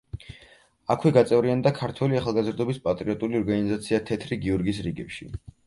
აქვე გაწევრიანდა ქართველი ახალგაზრდობის პატრიოტული ორგანიზაცია „თეთრი გიორგის“ რიგებში.